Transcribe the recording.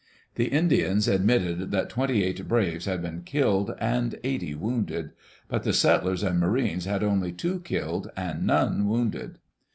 The Indians admitted that twenty eight braves had been killed and eighty wounded. But the settlers and marines had only two killed and none wounded.